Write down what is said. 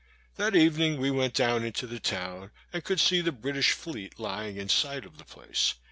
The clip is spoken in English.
That evening we went down into the town, and could see the British fleet lying in sight of the place.